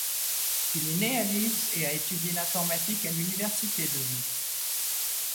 Il est né à Leeds et a étudié l'informatique à l'Université de Leeds.